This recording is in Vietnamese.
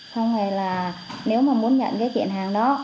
xong rồi là nếu mà muốn nhận cái chuyện hàng đó